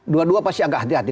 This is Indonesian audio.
dua dua pasti agak hati hati